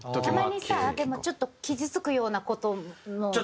たまにさでもちょっと傷つくような事のやつも。